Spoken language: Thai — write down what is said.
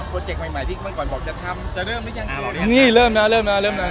โปรเจคใหม่ที่เมื่อก่อนบอกจะทำจะเริ่มหรือยัง